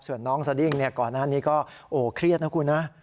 ส่วนน้องสดิ้งก่อนหน้านี้ก็เครียดนะคุณนะ